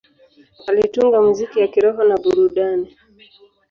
Alitunga muziki ya kiroho na ya burudani.